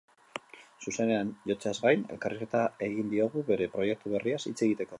Zuzenean jotzeaz gain, elkarrizketa egin diogu bere proiektu berriaz hitz egiteko.